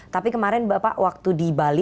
tapi kemarin bapak waktu di bali